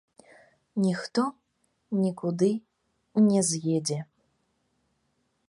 Ніхто нікуды не з'едзе.